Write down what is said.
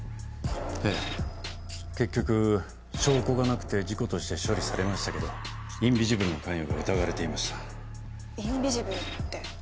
ええ結局証拠がなくて事故として処理されましたけどインビジブルの関与が疑われていましたインビジブルって？